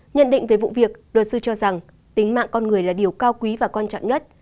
nhận định về vụ việc luật sư cho rằng tính mạng con người là điều cao quý và quan trọng nhất